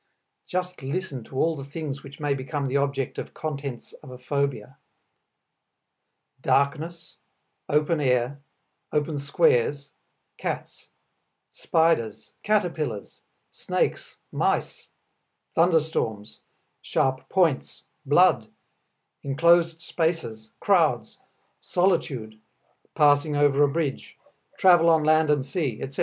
Just listen to all the things which may become the objects of contents of a phobia: Darkness, open air, open squares, cats, spiders, caterpillars, snakes, mice, thunder storms, sharp points, blood, enclosed spaces, crowds, solitude, passing over a bridge, travel on land and sea, etc.